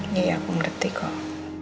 iya aku ngerti kok